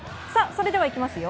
それでは、いきますよ。